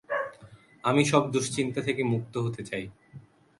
আমি সব দুশ্চিন্তা থেকে মুক্ত হতে চাই।